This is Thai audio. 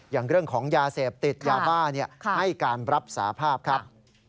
อย่างเรื่องของยาเสพติดยาบ้าให้การรับสาภาพครับ